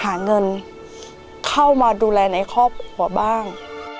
หาเงินเข้ามาดูแลในครอบครัวบ้าง